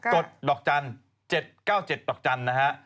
ดอกจันทร์๗๙๗ดอกจันทร์นะฮะ